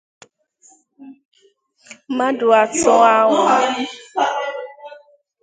mmadụ atọ ahụ